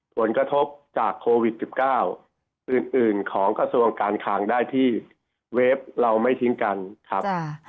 ผลกระทบจากโควิด๑๙อื่นของกระทรวงการคลังได้ที่เว็บเราไม่ทิ้งกันครับ